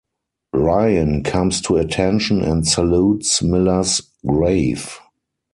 Ryan comes to attention and salutes Miller's grave.